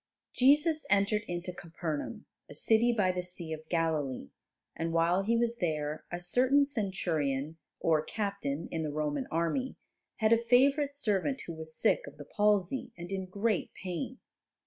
Jesus entered into Capernaum, a city by the Sea of Galilee, and while He was there a certain Centurion, or captain in the Roman army, had a favourite servant who was sick of the palsy and in great pain.